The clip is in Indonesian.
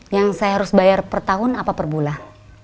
yang saya harus bayar per tahun apa per bulan